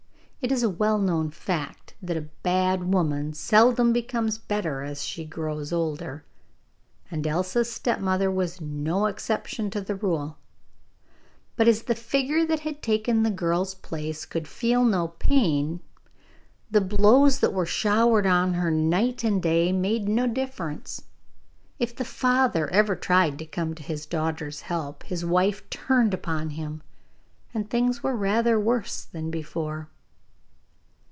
It is a well known fact that a bad woman seldom becomes better as she grows older, and Elsa's stepmother was no exception to the rule; but as the figure that had taken the girl's place could feel no pain, the blows that were showered on her night and day made no difference. If the father ever tried to come to his daughter's help, his wife turned upon him, and things were rather worse than before.